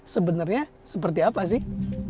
sebenarnya seperti apa sih